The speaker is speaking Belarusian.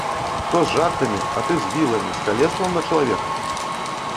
Хто з жартамі, а ты з віламі, з калецтвам на чалавека?!